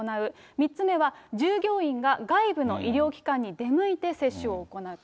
３つ目は従業員が外部の医療機関に出向いて接種を行うと。